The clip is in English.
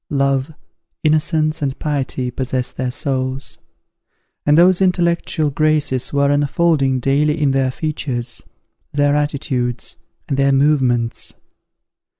Love, innocence, and piety, possessed their souls; and those intellectual graces were unfolding daily in their features, their attitudes, and their movements.